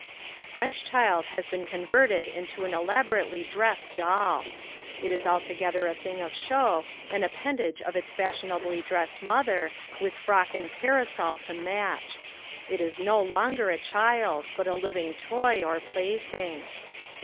The French child has been converted into an elaborately dressed doll. It is altogether a thing of show, an appendage of its fashionably dressed mother, with frock and parasol to match. It is no longer a child, but a living toy or plaything.